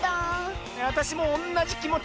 あたしもおんなじきもち。